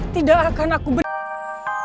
tidak akan aku berikan cili wangi